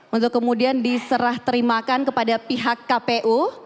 untuk kemudian diserah terimakan kepada pihak kpu